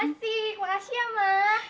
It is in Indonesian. asik makasih ya mah